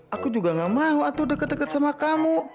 aku juga gak mau atur deket deket sama kamu